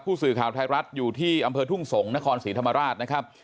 ผู้สื่อข่าวไทยรัฐอยู่ที่อำเภอทุ่งสงศ์นครศรีธรรมราชนะครับ